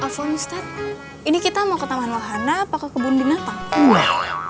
ah apaan ustaz ini kita mau ke taman wahana apa ke kebun dinata